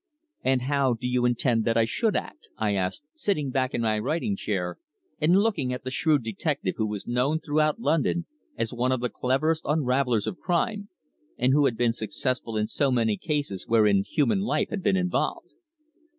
"And how do you intend that I should act?" I asked, sitting back in my writing chair and looking at the shrewd detective who was known throughout London as one of the cleverest unravellers of crime, and who had been successful in so many cases wherein human life had been involved.